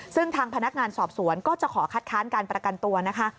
ซึ่งทางพนักงานสอบสวนก็จะขอคัดค้านการประกันตัวนะคะ